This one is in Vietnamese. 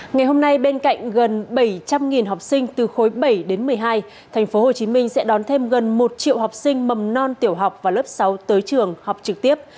ngày hôm nay bên cạnh gần bảy trăm linh học sinh từ khối bảy đến một mươi hai tp hcm sẽ đón thêm gần một triệu học sinh mầm non tiểu học và lớp sáu tới trường học trực tiếp